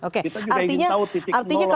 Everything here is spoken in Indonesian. kita juga ingin tahu titik nol